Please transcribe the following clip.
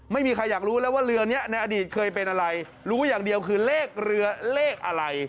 ไม่มีใครอยากรู้แล้วว่าเรือนี้ในอดีตเคยเป็นอะไรรู้อย่างเดียวคือเลขเรือเลขอะไร